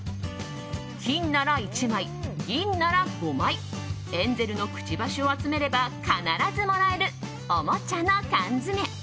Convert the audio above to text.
金なら１枚、銀なら５枚エンゼルのくちばしを集めれば必ずもらえるおもちゃのカンヅメ。